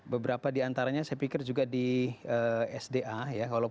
beberapa diantaranya saya pikir juga di sda ya